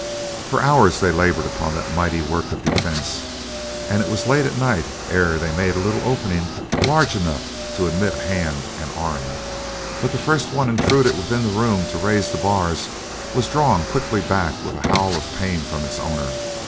For hours, they labored upon that mighty work of defence, and it was late at night ere they made a little opening large enough to admit a hand and arm, but the first one intruded within the room to raise the bars was drawn quickly back with a howl of pain from its owner.